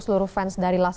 terima kasih pak